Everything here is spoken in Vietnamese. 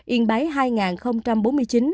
yên bái hai bốn mươi chín